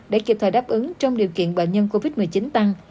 để kịp thời đáp ứng trong điều kiện bệnh nhân covid một mươi chín tăng